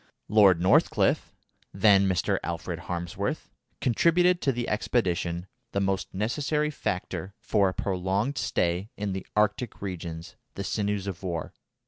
Lord Northcliffe (then Mr. Alfred Harmsworth) contributed to the expedition the most necessary factor for a prolonged stay in the Arctic regions, the sinews of war.